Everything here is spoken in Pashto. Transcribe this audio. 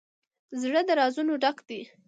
زړه د رازونو ډک دی.